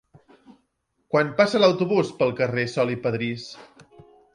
Quan passa l'autobús pel carrer Sol i Padrís?